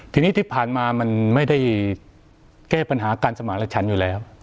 ทีนี้ที่ผ่านมามันไม่ได้แก้ปัญหาการสมารฉันอยู่แล้ว